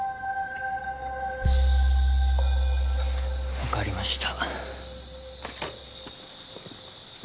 分かりました